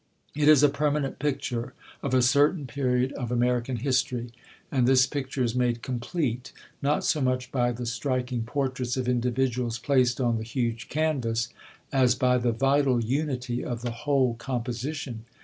It is a permanent picture of a certain period of American history, and this picture is made complete, not so much by the striking portraits of individuals placed on the huge canvas, as by the vital unity of the whole composition.